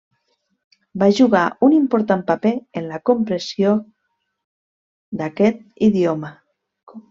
Va jugar un important paper en la compressió d'aquest idioma.